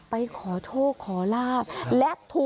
ไปขอโชคขอลาบ